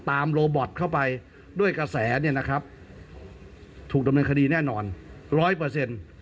โรบอตเข้าไปด้วยกระแสเนี่ยนะครับถูกดำเนินคดีแน่นอนร้อยเปอร์เซ็นต์